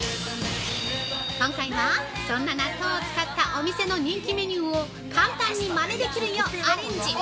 ◆今回はそんな納豆を使ったお店の人気メニューを簡単に真似できるようアレンジ！